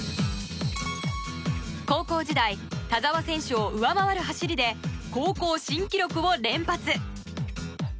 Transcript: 高校時代田澤選手を上回る走りで高校新記録を連発！